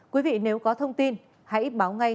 quý vị nếu có thông tin hãy báo ngay